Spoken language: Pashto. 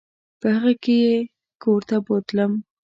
په هغه کې یې کور ته بوتلم.